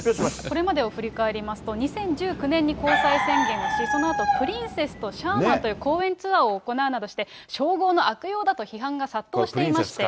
これまでを振り返りますと、２０１９年に交際宣言をし、そのあとプリンセスとシャーマンという講演ツアーを行うなどして、称号の悪用だと批判が殺到していまして。